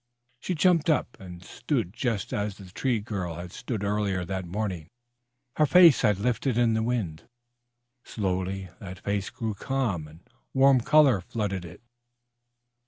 She jumped up and stood just as the Tree Girl had stood earlier that morning, her face lifted in the wind. Slowly that face grew calm and warm color flooded it.